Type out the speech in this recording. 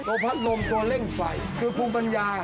พัดลมตัวเร่งไฟคือภูมิปัญญา